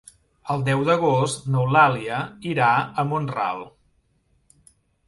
El deu d'agost n'Eulàlia irà a Mont-ral.